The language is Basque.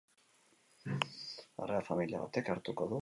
Harrera familia batek hartuko du aldi batez.